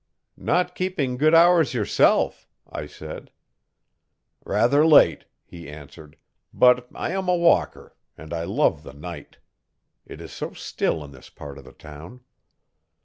'Not keeping good hours yourself,' I said. 'Rather late,' he answered, 'but I am a walker, and I love the night. It is so still in this part of the town.'